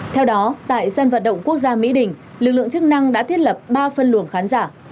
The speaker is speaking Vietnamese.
theo đó tại sân vận động quốc gia mỹ đình lực lượng chức năng đã thiết lập ba phân luồng khán giả